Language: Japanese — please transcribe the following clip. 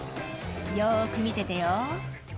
「よく見ててよ」